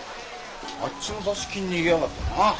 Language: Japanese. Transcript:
あっちの座敷に逃げやがったな。